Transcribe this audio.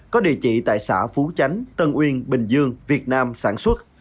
có địa chỉ tại xã phú chánh tân uyên bình dương việt nam sản xuất